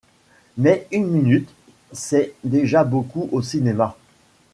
Mais une minute, c'est déjà beaucoup au cinéma.